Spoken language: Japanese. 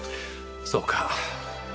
そうか。